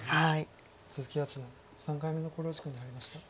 鈴木八段３回目の考慮時間に入りました。